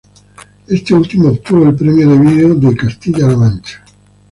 Este último obtuvo el Premio de Vídeo de Castilla-La Mancha.